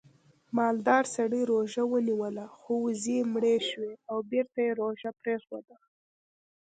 مالدار سړي روژه ونیوله خو وزې یې مړې شوې او بېرته یې روژه پرېښوده